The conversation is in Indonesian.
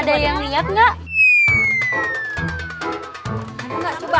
ada yang lihat enggak